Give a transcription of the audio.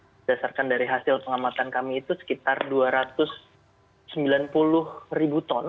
berdasarkan dari hasil pengamatan kami itu sekitar dua ratus sembilan puluh ribu ton